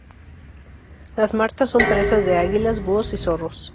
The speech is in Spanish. Las martas son presas de águilas, búhos y zorros.